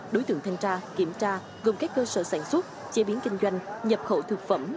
đối tượng thanh tra kiểm tra gồm các cơ sở sản xuất chế biến kinh doanh nhập khẩu thực phẩm